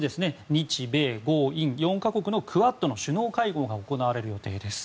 日米豪印４か国のクアッドの首脳会合が行われる予定です。